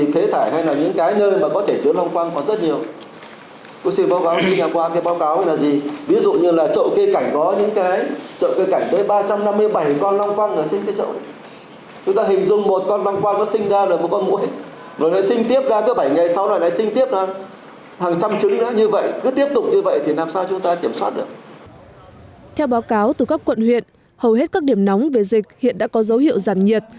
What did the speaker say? theo báo cáo từ các quận huyện hầu hết các điểm nóng về dịch hiện đã có dấu hiệu giảm nhiệt